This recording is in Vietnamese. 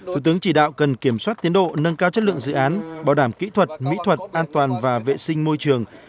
thủ tướng chỉ đạo cần kiểm soát tiến độ nâng cao chất lượng dự án bảo đảm kỹ thuật mỹ thuật an toàn và vệ sinh môi trường